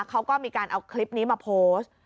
เขาก็มีการเอาคลิปนี้มาโพสต์